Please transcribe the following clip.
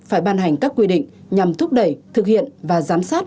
phải ban hành các quy định nhằm thúc đẩy thực hiện và giám sát